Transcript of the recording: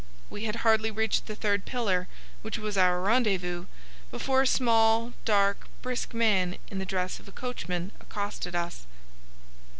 We had hardly reached the third pillar, which was our rendezvous, before a small, dark, brisk man in the dress of a coachman accosted us.